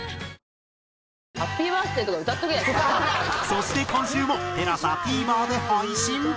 そして今週もＴＥＬＡＳＡＴＶｅｒで配信。